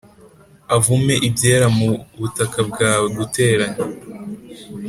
avume ibyera mu butaka bwawe,+